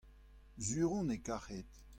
sur on e karhed.